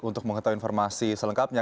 untuk mengetahui informasi selengkapnya